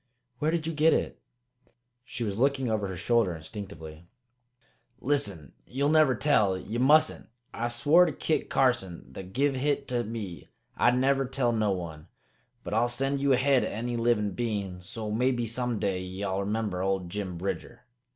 "Where did you get it?" She was looking over her shoulder instinctively. "Listen! Ye'll never tell? Ye mustn't! I swore to Kit Carson, that give hit to me, I'd never tell no one. But I'll set you ahead o' any livin' bein', so maybe some day ye'll remember old Jim Bridger.